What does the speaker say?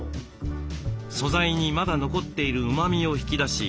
素材にまだ残っているうまみを引き出し